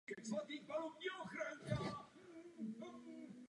Festival dětské experimentální archeologie se zde koná v červnu.